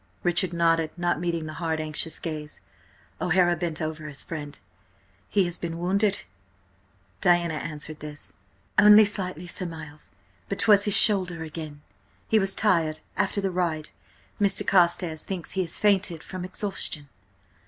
Richard nodded, not meeting the hard, anxious gaze. O'Hara bent over his friend. "He has been wounded?" Diana answered this. "Only slightly, Sir Miles, but 'twas his shoulder again. He was tired after the ride–Mr. Carstares thinks he has fainted from exhaustion."